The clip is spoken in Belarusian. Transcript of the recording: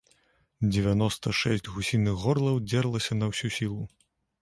Дзевяноста шэсць гусіных горлаў дзерлася на ўсю сілу.